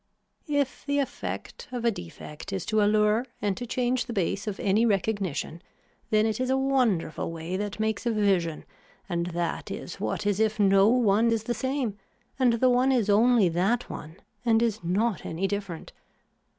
If the effect of a defect is to allure and to change the base of any recognition then it is a wonderful way that makes a vision and that is what is if no one is the same and the one is only that one and is not any different.